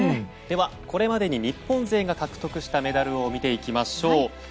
これまでに日本勢が獲得したメダルを見ていきましょう。